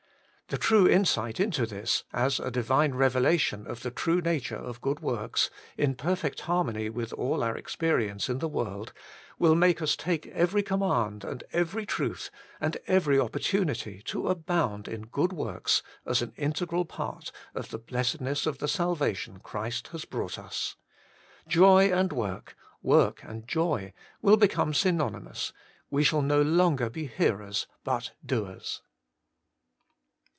The true insight into this, as a Divine revelation of the true nature of good works, in perfect harmony with all our ex perience in the world, will make us take every command, and every truth, and every opportunity to abound in good works as an integral part of the blessedness of the sal vation Christ has brought us. Joy and work, work and joy, will become synony mous : we shall no longer be hearers but doers.